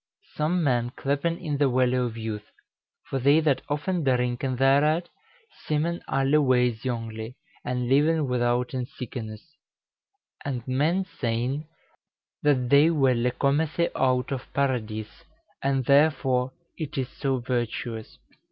Some men clepen it the Welle of Youthe: for thei that often drynken thereat, semen alle weys yongly, and lyven withouten sykenesse. And men seyn, that that welle comethe out of Paradys: and therefore it is so vertuous."